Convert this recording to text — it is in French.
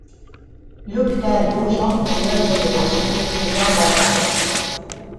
L’hôpital Beaujon est l’œuvre de l’architecte Jean Walter.